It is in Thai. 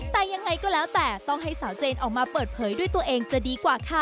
แต่ยังไงก็แล้วแต่ต้องให้สาวเจนออกมาเปิดเผยด้วยตัวเองจะดีกว่าค่ะ